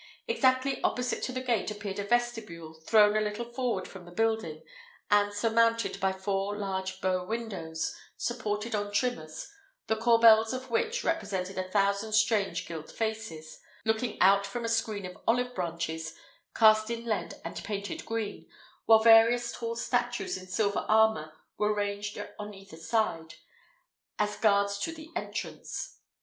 Exactly opposite to the gate appeared a vestibule, thrown a little forward from the building, and surmounted by four large bow windows, supported on trimmers, the corbels of which represented a thousand strange gilt faces, looking out from a screen of olive branches, cast in lead and painted green; while various tall statues in silver armour were ranged on each side, as guards to the entrance.